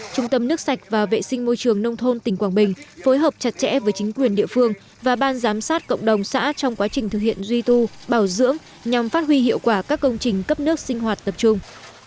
trung tâm nước sạch và vệ sinh môi trường nông thôn tỉnh quảng bình phối hợp chặt chẽ với chính quyền địa phương và ban giám sát cộng đồng xã trong quá trình thực hiện duy tu bảo dưỡng nhằm phát huy hiệu quả các công trình cấp nước sinh hoạt tập trung